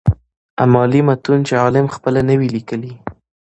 امالي متون چي عالم خپله نه وي ليکلي.